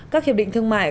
các hiệp định thương mại